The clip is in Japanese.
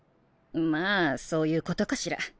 まあそういうことかしら。